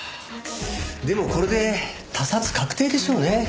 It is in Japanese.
でもこれで他殺確定でしょうね。